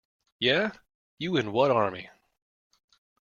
Yeah, you and what army?